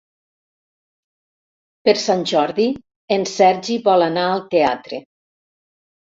Per Sant Jordi en Sergi vol anar al teatre.